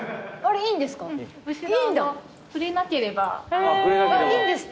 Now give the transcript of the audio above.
いいんですって。